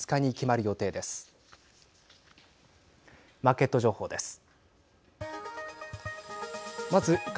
マーケット情報です。